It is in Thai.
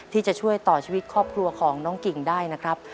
ที่จะช่วยต่อชีวิตครอบครัวของน้องกิ่งได้นะครับ